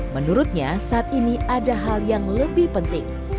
menurutnya saat ini ada hal yang lebih penting